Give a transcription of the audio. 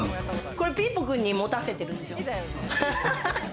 これピーポくんに持たせてるんですよ。